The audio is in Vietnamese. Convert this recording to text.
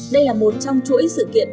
đây là một trong chuỗi sự kiện